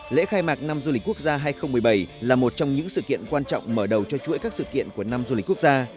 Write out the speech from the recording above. lễ khai mạc năm du lịch quốc gia hai nghìn một mươi bảy là một trong những sự kiện quan trọng mở đầu cho chuỗi các sự kiện của năm du lịch quốc gia